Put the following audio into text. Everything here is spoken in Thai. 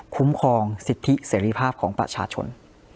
คุ้มครองสิทธิเสรีภาพของประชาชน